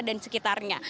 dan di sekitarnya